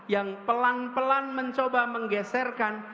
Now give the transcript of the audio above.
yang pelan pelan mencoba menggeserkan